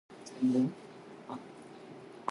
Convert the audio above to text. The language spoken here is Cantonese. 佢係名副其實嘅神射手